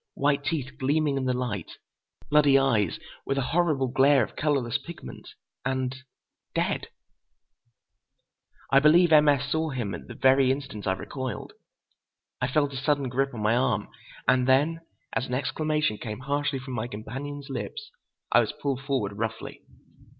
White teeth gleaming in the light. Bloody eyes, with a horrible glare of colorless pigment. And—dead. I believe M. S. saw him at the very instant I recoiled. I felt a sudden grip on my arm; and then, as an exclamation came harshly from my companion's lips, I was pulled forward roughly.